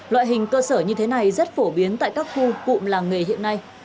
loại hình cơ sở như thế này rất phổ biến tại các khu cụm làng nghề hiện nay